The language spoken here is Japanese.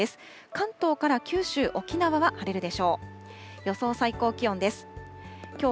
関東から九州、沖縄は晴れるでしょう。